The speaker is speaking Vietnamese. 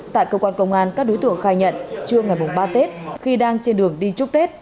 tại cơ quan công an các đối tượng khai nhận trưa ngày ba tết khi đang trên đường đi chúc tết